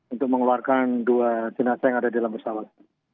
untuk mengeluarkan dua jenazah yang ada di dalam pesawat